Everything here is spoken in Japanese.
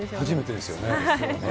初めてですよね。